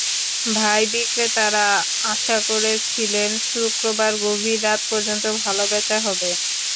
তাই বিক্রেতারা আশা করেছিলেন, শুক্রবার গভীর রাত পর্যন্ত ভালো বেচা-বিক্রি হবে।